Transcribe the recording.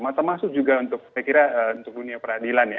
mata masuk juga untuk saya kira untuk dunia peradilan ya